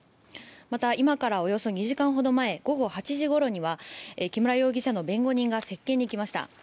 また、今からおよそ２時間ほど前午後８時ごろには木村容疑者の弁護人が接見に来ました。